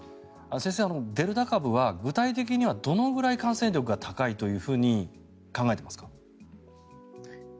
先生、デルタ株は具体的にはどのくらい感染力が高いと考えていますか？